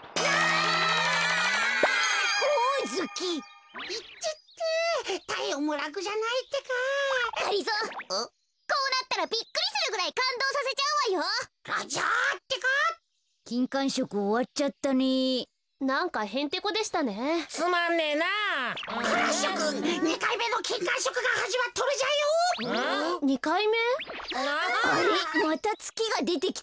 あれっまたつきがでてきたよ。